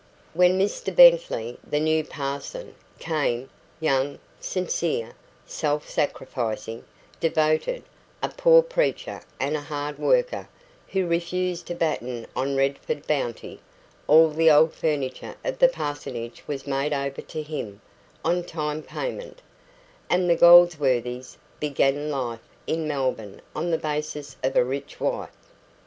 When Mr Bentley, the new parson, came young, sincere, self sacrificing, devoted, a poor preacher and a hard worker, who refused to batten on Redford bounty all the old furniture of the parsonage was made over to him (on time payment), and the Goldsworthys began life in Melbourne on the basis of a rich wife.